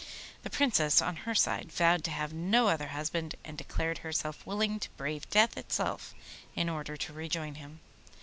The Princess, on her side, vowed to have no other husband, and declared herself willing to brave death itself in order to rejoin him.